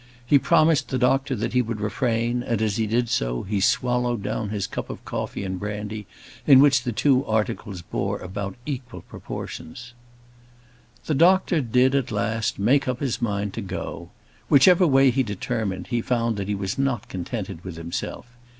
He promised the doctor that he would refrain; and, as he did so, he swallowed down his cup of coffee and brandy, in which the two articles bore about equal proportions. The doctor did, at last, make up his mind to go. Whichever way he determined, he found that he was not contented with himself.